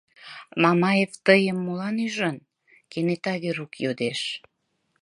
— Мамаев тыйым молан ӱжын? — кенета Верук йодеш.